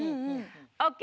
ＯＫ